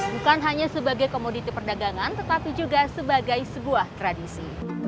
bukan hanya sebagai komoditi perdagangan tetapi juga sebagai sebuah tradisi